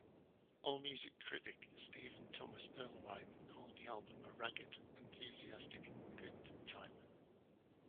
AllMusic critic Stephen Thomas Erlewine called the album a ragged, enthusiastic good time.